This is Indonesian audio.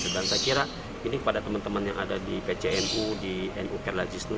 dan saya kira ini kepada teman teman yang ada di pcnu di nu kerala jisnu